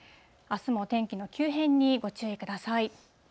あすも天気の急変にご注意ください。